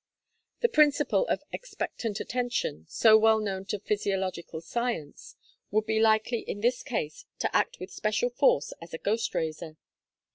The principle of 'expectant attention,' so well known to physiological science, would be likely in this case to act with special force as a ghost raiser.